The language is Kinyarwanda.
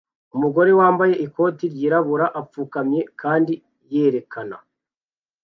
Umugore wambaye ikoti ryirabura apfukamye kandi yerekana